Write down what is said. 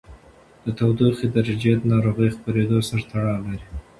د تودوخې درجې د ناروغۍ خپرېدو سره تړاو لري.